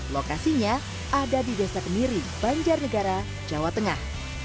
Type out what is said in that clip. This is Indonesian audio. lokasinya ada di desa kemiri banjarnegara jawa tengah